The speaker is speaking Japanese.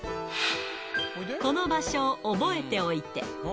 この場所を覚えておいて。